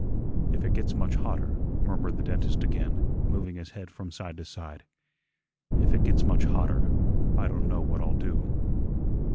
"If it gets much hotter," murmured the dentist again, moving his head from side to side, "if it gets much hotter, I don' know what I'll do."